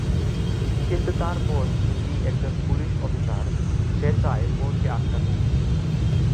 কিন্তু তার বোন মিলি একজন পুলিশ অফিসার, সে চায় বোনকে আটকাতে।